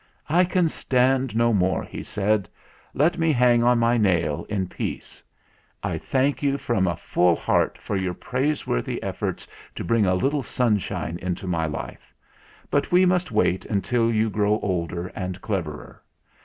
"I can stand no more," he said. "Let me hang on my nail in peace. I thank you from a full heart for your praiseworthy efforts to bring a little sunshine into my life. But we must wait until you grow older and cleverer.